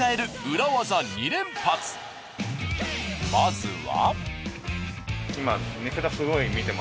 まずは。